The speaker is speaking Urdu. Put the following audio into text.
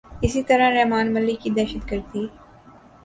اسی طرح رحمان ملک کی دہشت گردی